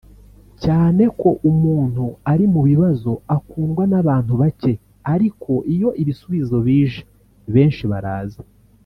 cyane ko umuntu ari mu bibazo akundwa n’ abantu bake ariko iyo ibisubizo bije benshi baraza